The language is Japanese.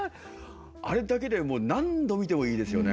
あれだけでもう何度見てもいいですよね。